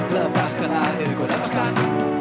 lepaskanlah ego lepaskan